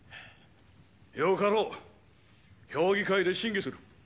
よかろう評議会で審議する